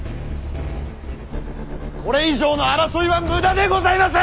これ以上の争いは無駄でございます！